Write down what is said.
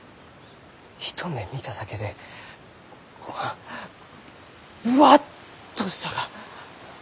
一目見ただけでここがぶわっとしたが！